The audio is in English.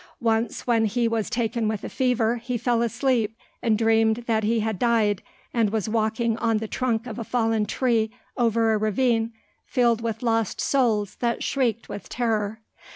Once, when he was taken with a fever, he fell asleep and dreamed that he had died and was walking on the trunk of a fallen tree over a ravine filled with lost souls that shrieked with terror.